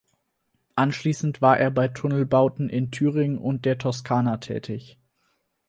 Anschließend war er bei Tunnelbauten in Thüringen und der Toskana tätig.